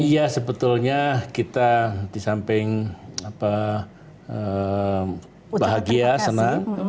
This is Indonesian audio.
iya sebetulnya kita disamping bahagia senang